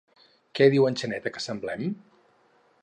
Què diu en Xaneta que semblen?